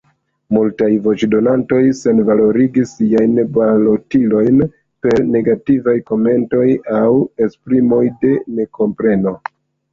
Multaj voĉdonantoj senvalorigis siajn balotilojn per negativaj komentoj aŭ esprimoj de nekompreno.